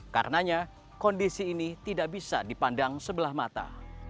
karenanya kondisi ini tidak bisa dipandang sebelah mata